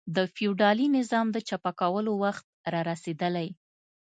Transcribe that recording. د فیوډالي نظام د چپه کولو وخت را رسېدلی.